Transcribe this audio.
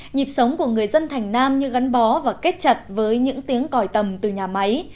nhịp sống của người dân thành nam như gắn bó và kết chặt với những tiếng còi tầm từ nhà máy